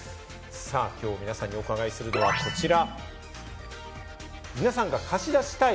今日、皆さんに伺うのは、こちら。